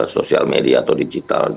sosial media atau digital